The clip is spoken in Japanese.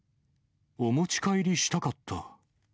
お持ち帰りしたかった。